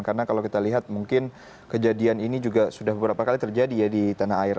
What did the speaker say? karena kalau kita lihat mungkin kejadian ini juga sudah beberapa kali terjadi ya di tanah air